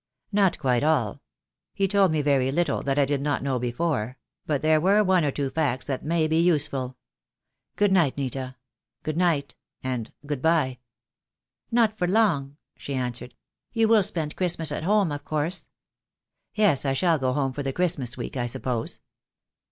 "Not quite all. He told me very little that I did not know before; but there were one or two facts that may be useful. Good night, Nita, good night, and good bye." "Not for long," she answered. "You will spend Christmas at home, of course." "Yes, I shall go home for the Christmas week, I suppose."